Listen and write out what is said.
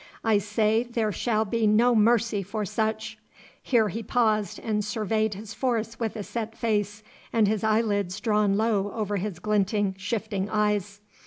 I say there shall be no mercy for such,' here he paused and surveyed his force with a set face and his eyelids drawn low over his glinting, shifting eyes.